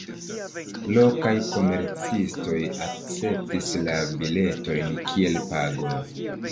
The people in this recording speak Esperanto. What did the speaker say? Lokaj komercistoj akceptis la biletojn kiel pagon.